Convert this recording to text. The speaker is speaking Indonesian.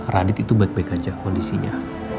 radit itu baik baik aja kondisinya